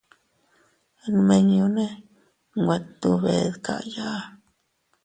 Nminñune nwe tndube dkaya.